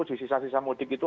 di sisa sisa mudik itu